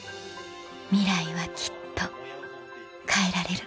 ミライはきっと変えられる